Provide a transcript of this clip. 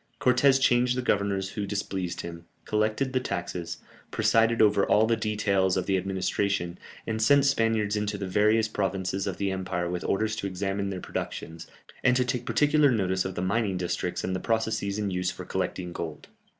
Cortès changed the governors who displeased him, collected the taxes, presided over all the details of the administration, and sent Spaniards into the various provinces of the empire with orders to examine their productions, and to take particular notice of the mining districts and the processes in use for collecting gold.